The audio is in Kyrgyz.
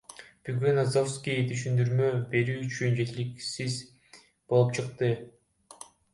Бүгүн Низовский түшүндүрмө берүү үчүн жеткиликсиз болуп чыкты.